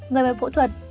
người bệnh phẫu thuật